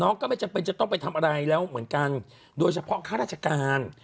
ก็ไม่จำเป็นจะต้องไปทำอะไรแล้วเหมือนกันโดยเฉพาะข้าราชการ